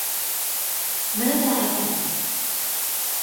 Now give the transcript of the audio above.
ماذا أكلت؟